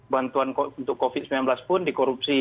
bantuan untuk covid sembilan belas pun dikorupsi